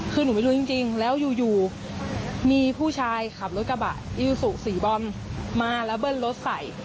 คือหนูไม่รู้จริงแล้วอยู่มีผู้ชายขับรถกระบะอิซูซูสีบอมมาแล้วเบิ้ลรถใส่